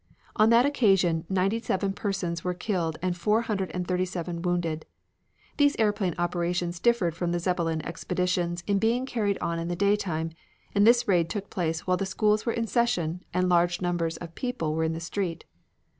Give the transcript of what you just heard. On that occasion ninety seven persons were killed and four hundred and thirty seven wounded. These airplane operations differed from the Zeppelin expeditions in being carried on in the daytime, and this raid took place while the schools were in session and large numbers of people were in the street.